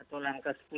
atau langkah sepuluh